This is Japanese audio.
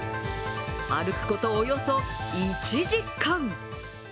歩くこと、およそ１時間。